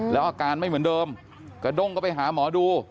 แล้วอาการไม่เหมือนเดิมกระด้งก็ไปหาหมอดู